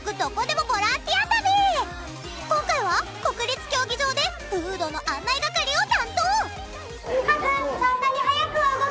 今回は国立競技場でフードの案内係を担当！